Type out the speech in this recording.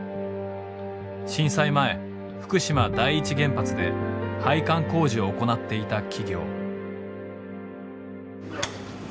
震災前福島第一原発で配管工事を行っていた企業。